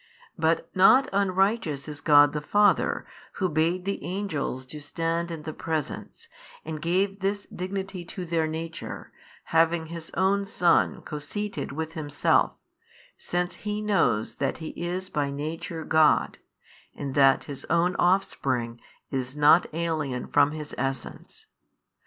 But not unrighteous is God the Father, who bade the Angels to stand in the Presence, and gave this Dignity to their nature, having His own Son co seated with Himself, since He knows that He is by Nature God, and that His own Offspring is not alien from His Essence.